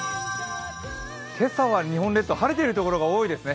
今朝は日本列島晴れている所が多いですね。